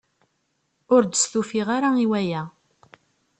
Ur d-stufiɣ ara i waya.